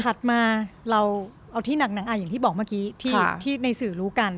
ถัดมาเราเอาที่หนังอย่างที่บอกเมื่อกี้ที่ในสื่อรู้กัน